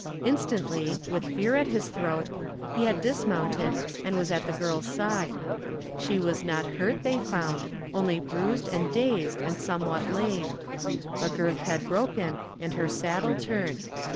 Instantly, with fear at his throat, he had dismounted and was at the girl's side. She was not hurt, they found, only bruised and dazed and somewhat lamed. A girth had broken and her saddle turned.